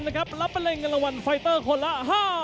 ดาบดำเล่นงานบนเวลาตัวด้วยหันขวา